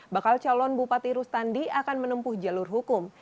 bakal calon bupati rustandi akan menempuh jalur hukum